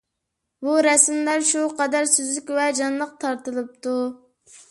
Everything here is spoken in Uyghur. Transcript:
بۇ رەسىملەر شۇ قەدەر سۈزۈك ۋە جانلىق تارتىلىپتۇ.